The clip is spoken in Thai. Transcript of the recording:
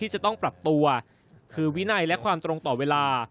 จะต้องปรับตัวคือวินัยและความตรงต่อเวลา